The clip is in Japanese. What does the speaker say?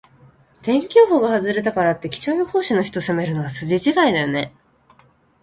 天気予報が外れたからって、気象予報士の人を責めるのは筋違いだよね。